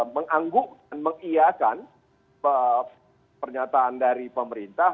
mengangguk dan mengiakan pernyataan dari pemerintah